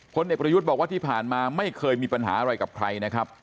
เด็กประยุทธ์บอกว่าที่ผ่านมาไม่เคยมีปัญหาอะไรกับใครนะครับ